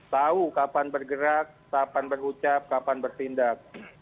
tahu kapan bergerak kapan berucap kapan bertindak